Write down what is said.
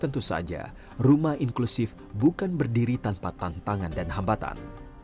tentu saja rumah inklusif bukan berdiri tanpa tantangan dan hambatan